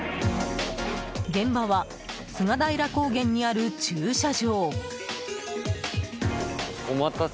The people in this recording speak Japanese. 現場は、菅平高原にある駐車場。